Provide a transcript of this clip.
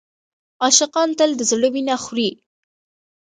عاشقان تل د زړه وینه خوري.